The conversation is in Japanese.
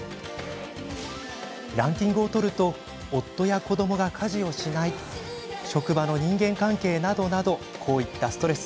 ランキングを取ると夫や子どもが家事をしない職場の人間関係などなどこういったストレス